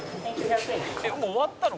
「もう終わったの？